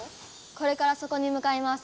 これからそこにむかいます。